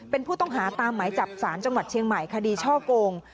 เป็นผู้ต้องหาตามหมายจับสารจังหวัดเชียงใหม่คดีช่อกง